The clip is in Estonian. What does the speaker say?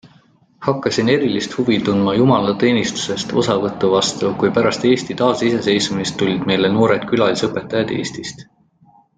Hakkasin erilist huvi tundma jumalateenistustest osavõtu vastu, kui pärast Eesti taasiseseisvumist tulid meile noored külalisõpetajad Eestist.